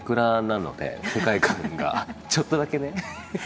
ちょっとだけね。